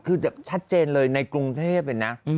คือแบบชัดเจนเลยในกรุงเทพเลยนะ